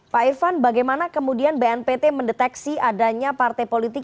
pak irvan bagaimana kemudian bnpt mendeteksi adanya partai politik